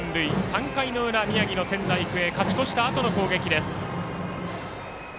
３回の裏、宮城の仙台育英勝ち越したあとの攻撃です。